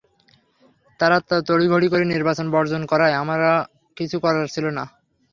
তাঁরা তড়িঘড়ি করে নির্বাচন বর্জন করায় আমার কিছু করার ছিল না।